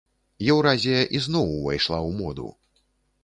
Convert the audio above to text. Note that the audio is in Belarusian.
Еўразія ізноў увайшла ў моду.